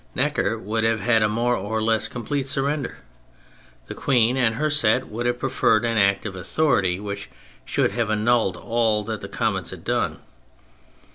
Necker would have had a more or less complete surrender, the Queen and her set would have preferred an act of authority which should have annulled all that the Commons had done.